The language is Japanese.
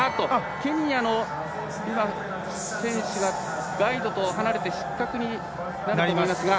ケニアの選手がガイドと離れて失格になりました。